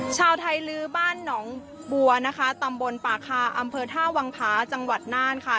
ชาวไทยลื้อบ้านหนองบัวนะคะตำบลป่าคาอำเภอท่าวังผาจังหวัดน่านค่ะ